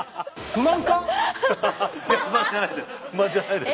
不満じゃないです。